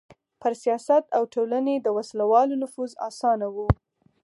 پر سیاست او ټولنې د وسله والو نفوذ اسانه و.